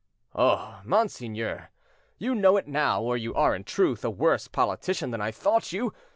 "Oh! monseigneur, you know it now, or you are, in truth, a worse politician than I thought you.